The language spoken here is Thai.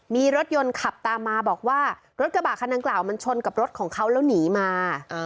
มีรถยนต์ขับตามมาบอกว่ารถกระบะคันดังกล่าวมันชนกับรถของเขาแล้วหนีมา